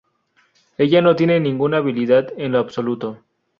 Ella no tiene ninguna Habilidad en lo absoluto.